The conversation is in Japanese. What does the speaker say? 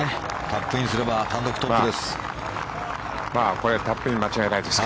タップインすれば単独トップです。